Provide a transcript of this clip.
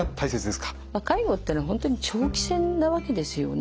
介護っていうのは本当に長期戦なわけですよね。